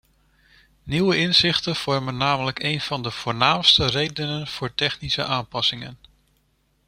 Nieuwe inzichten vormen namelijk een van de voornaamste redenen voor technische aanpassingen.